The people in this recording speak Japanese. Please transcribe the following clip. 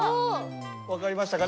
分かりましたかね？